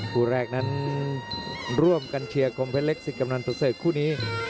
ภูแรกนั้นร่วมกันเชียร์กรมเพล็กสิทธิ์กำหนังประเศษคู่นี้